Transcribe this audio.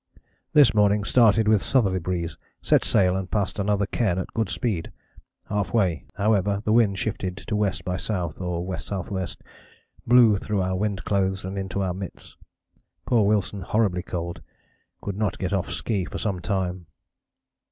"This morning started with southerly breeze, set sail and passed another cairn at good speed; half way, however, the wind shifted to W. by S. or W.S.W., blew through our wind clothes and into our mitts. Poor Wilson horribly cold, could [not] get off ski for some time.